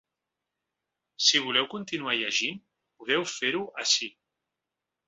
Si voleu continuar llegint, podeu fer-ho ací.